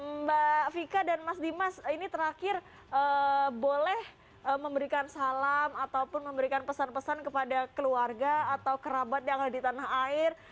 mbak vika dan mas dimas ini terakhir boleh memberikan salam ataupun memberikan pesan pesan kepada keluarga atau kerabat yang ada di tanah air